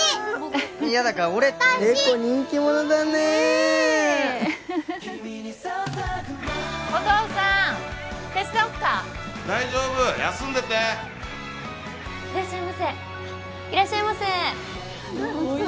いやだから俺って笑子人気者だねお父さん手伝おっか大丈夫休んでていらっしゃいませいらっしゃいませおいし